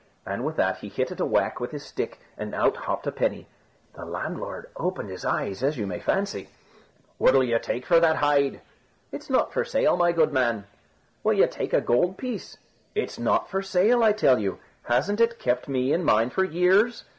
And with that he hit it a whack with his stick and out hopped a penny. The landlord opened his eyes, as you may fancy. "What'll you take for that hide?" "It's not for sale, my good man." "Will you take a gold piece?" "It's not for sale, I tell you. Hasn't it kept me and mine for years?"